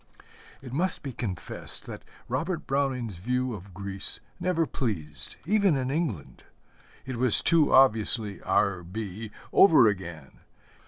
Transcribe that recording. It must be confessed that Robert Browning's view of Greece never pleased, even in England. It was too obviously R. B. over again.